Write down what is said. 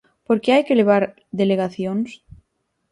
Por que hai que levar delegacións?